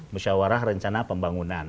musyawarah rencana pembangunan